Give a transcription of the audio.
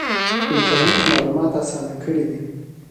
انټرنیټ معلومات اسانه کړي دي